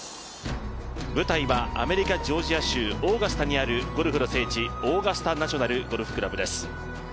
舞台はアメリカ・ジョージア州オーガスタにあるゴルフの聖地オーガスタナショナルゴルフクラブです。